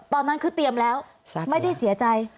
ตอนนั้นคือเตรียมแล้วไม่ได้เสียใจ